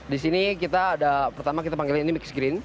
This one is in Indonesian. di sini kita ada pertama kita panggil ini mixed green